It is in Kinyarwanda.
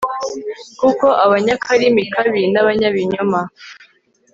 kuko abanyakarimi kabi n'abanyabinyoma